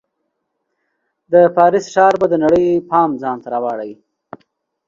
د پاریس ښار به د نړۍ پام ځان ته راواړوي.